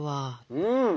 うん！